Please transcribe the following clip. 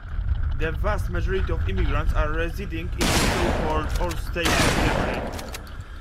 The vast majority of immigrants are residing in the so-called old states of Germany.